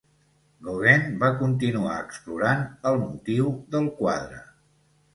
Gauguin va continuar explorant el motiu del quadre.